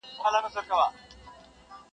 ماتم دی په دې ښار کي جنازې دي چي راځي-